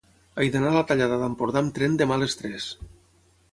He d'anar a la Tallada d'Empordà amb tren demà a les tres.